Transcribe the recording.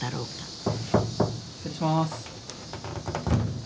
失礼します。